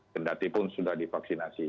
jika sudah divaksinasi